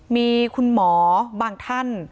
มีคุณหมอบางท่าน